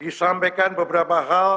disampaikan beberapa hal